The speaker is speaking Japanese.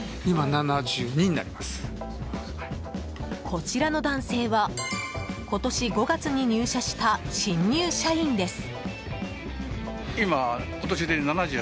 こちらの男性は今年５月に入社した新入社員です。